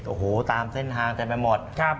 โอ้โฮตามเส้นทางจะไปหมด